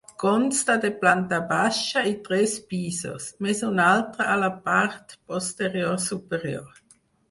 Consta de planta baixa i tres pisos, més un altre a la part posterior superior.